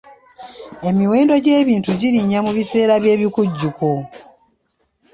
Emiwendo gy'ebintu girinnya mu biseera by'ebikujjuko.